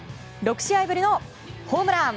６試合ぶりのホームラン！